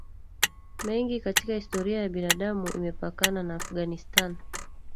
mengi katika historia ya binadamu Imepakana na Afghanistan